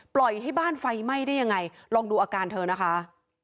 ปล่อยให้บ้านไฟไหม้ได้ยังไงลองดูอาการเธอนะคะ